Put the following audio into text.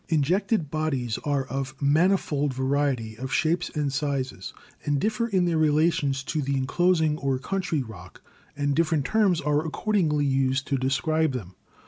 Injected Bodies are of manifold variety of shapes and sizes, and differ in their relations to the enclosing or country rock, and different terms are accordingly used to describe them.